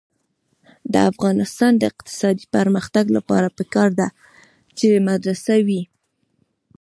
د افغانستان د اقتصادي پرمختګ لپاره پکار ده چې مدرسه وي.